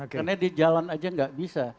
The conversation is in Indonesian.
karena di jalan aja nggak bisa